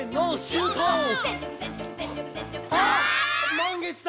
「満月だ！」